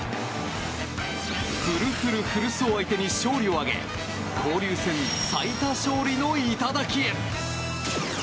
古古古巣を相手に勝利を挙げ交流戦最多勝利の頂へ！